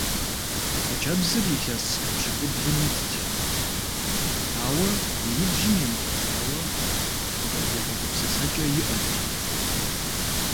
Хъыджэбзыр илъэс пщыкӀублым итт, ауэ, и ныбжьым емылъытауэ, балигъ гупсысэкӀэ иӀэт.